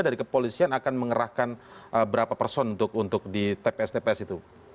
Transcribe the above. dari kepolisian akan mengerahkan berapa person untuk di tps tps itu